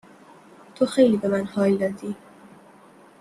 تو خیلی به من حال دادی